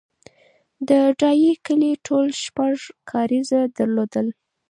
د ډایی کلی ټول شپږ کارېزه درلودل